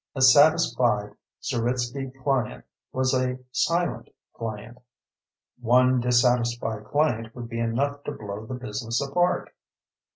A satisfied Zeritsky client was a silent client. One dissatisfied client would be enough to blow the business apart.